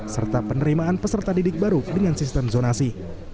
serta penerimaan peserta didik baru dengan sistem zonasi